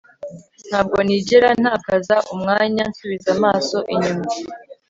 ntabwo nigera ntakaza umwanya nsubiza amaso inyuma